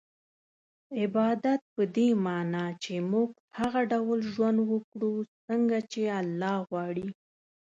عبادت په دې مانا چي موږ هغه ډول ژوند وکړو څنګه چي الله غواړي